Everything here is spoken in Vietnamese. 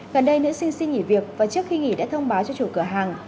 gần đây nữ xin nghỉ việc và trước khi nghỉ đã thông báo cho chủ cửa hàng